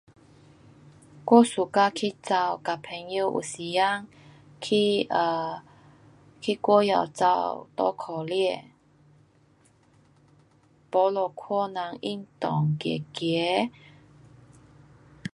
我 suka 去跑，跟朋友有时间去啊，去外后跑，搭脚车，没就看人运动走走。